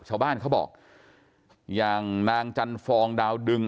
ชาวบ้านเขาบอกอย่างนางจันฟองดาวดึง